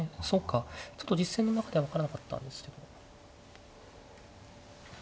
そっかちょっと実戦の中では分からなかったんですけど。